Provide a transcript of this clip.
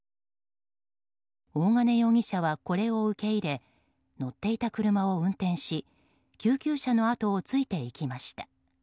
大金容疑者は、これを受け入れ乗っていた車を運転し救急車の後をついていきました。